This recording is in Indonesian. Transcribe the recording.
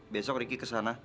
besok riki kesana